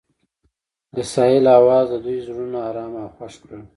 د ساحل اواز د دوی زړونه ارامه او خوښ کړل.